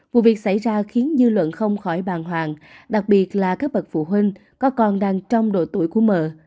vụ việc xảy ra khiến dư luận không khỏi bàng hoàng đặc biệt là các bậc phụ huynh có con đang trong độ tuổi của mờ